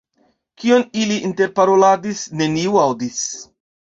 Kion ili interparoladis, neniu aŭdis.